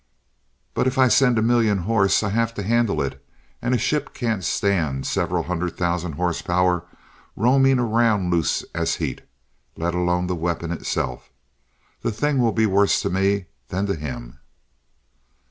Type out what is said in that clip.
But if I send a million horse, I have to handle it, and a ship can't stand several hundred thousand horsepower roaming around loose as heat, let alone the weapon itself. The thing will be worse to me than to him.